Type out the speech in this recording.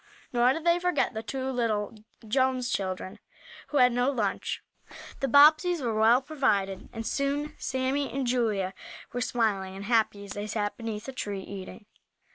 Nor did they forget the two little Jones children, who had no lunch. The Bobbseys were well provided and soon Sammie and Julia were smiling and happy as they sat beneath a tree, eating.